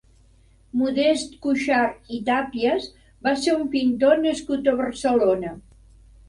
Modest Cuixart i Tàpies va ser un pintor nascut a Barcelona.